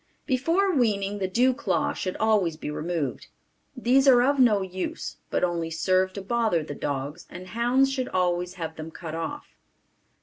Before weaning the dew claw should always be removed. These are of no use but only serve to bother the dogs and hounds should always have them cut off.